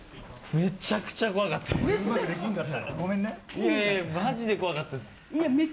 めちゃくちゃ怖かったです